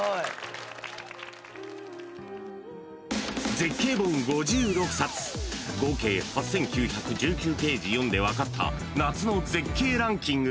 ［絶景本５６冊合計８，９１９ページ読んで分かった夏の絶景ランキング］